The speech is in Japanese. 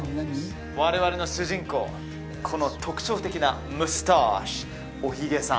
我々の主人公この特徴的なムスタッシュおひげさん